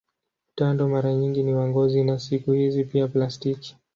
Utando mara nyingi ni wa ngozi na siku hizi pia plastiki.